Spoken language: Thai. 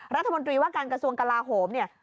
รัฐมนตรีว่าการกระทรวงกลาโหมเนี่ย